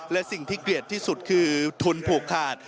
และสิ่งที่เกลียดที่สุดคือทุนผูกขาด